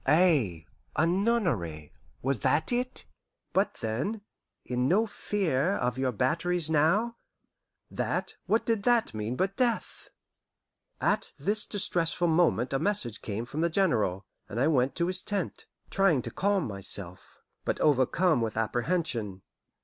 Ay, a nunnery was that it? But then, "In no fear of your batteries now" that, what did that mean but death? At this distressful moment a message came from the General, and I went to his tent, trying to calm myself, but overcome with apprehension.